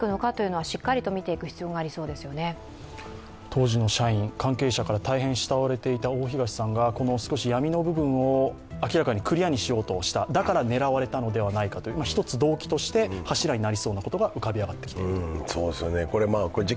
当時の社員、関係者から大変慕われていた大東さんが少し闇の部分をクリアにしようとした、だから狙われたのではないかという１つ動機として柱になりそうなことが浮かび上がってきていると。